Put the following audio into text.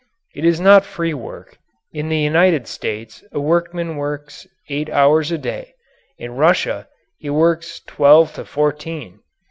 It is not free work. In the United States a workman works eight hours a day; in Russia, he works twelve to fourteen.